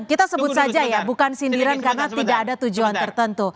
kita sebut saja ya bukan sindiran karena tidak ada tujuan tertentu